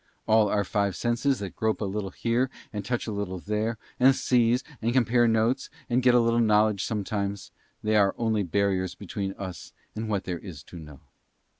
All our five senses that grope a little here and touch a little there, and seize, and compare notes, and get a little knowledge sometimes, they are only barriers between us and what there is to know.